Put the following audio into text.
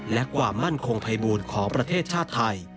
และความมั่นคงภัยบูลของประเทศชาติไทย